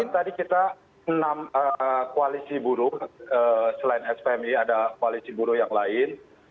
tadi kita enam koalisi buruh selain spmi ada koalisi buruh yang lain